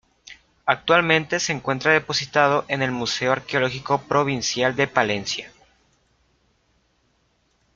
Actualmente se encuentra depositado en el Museo Arqueológico Provincial de Palencia.